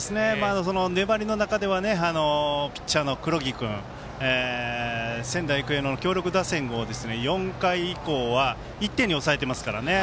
粘りの中ではピッチャーの黒木君仙台育英の強力打線を４回以降は１点に抑えていますからね